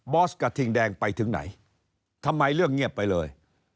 อสกระทิงแดงไปถึงไหนทำไมเรื่องเงียบไปเลย